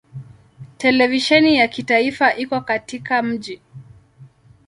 Televisheni ya kitaifa iko katika mji.